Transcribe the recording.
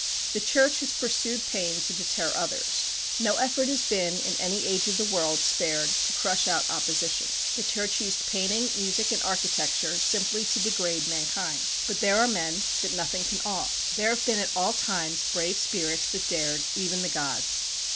The Church has pursued Paine to deter others. No effort has been in any age of the world spared to crush out opposition. The Church used painting, music and architecture, simply to degrade mankind. But there are men that nothing can awe. There have been at all times brave spirits that dared even the gods.